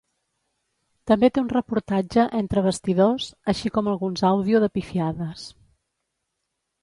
També té un reportatge "entre bastidors", així com alguns àudio de pifiades.